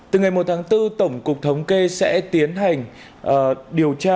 từ ngày một tháng bốn tổng cục thống kê sẽ tiến hành điều tra thông tin